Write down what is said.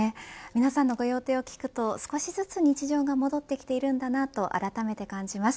皆さんのご予定を聞くと少しずつ日常が戻ってきているんだなとあらためて感じます。